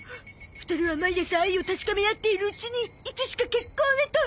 ２人は毎朝愛を確かめ合っているうちにいつしか結婚へと。